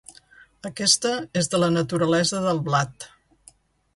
Aquesta és de la naturalesa del blat.